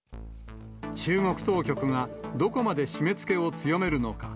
中国当局がどこまで締めつけを強めるのか。